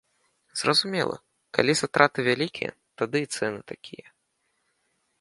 Зразумела, калі затраты вялікія, тады і цэны такія.